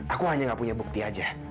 aku hanya gak punya bukti aja